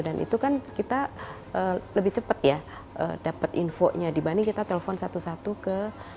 dan itu kan kita lebih cepat ya dapat infonya dibanding kita telepon satu satu ke